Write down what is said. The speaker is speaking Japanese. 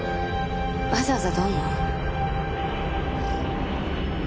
わざわざどうも。